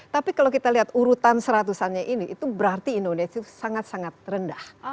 tapi kalau kita lihat urutan seratusannya ini itu berarti indonesia sangat sangat rendah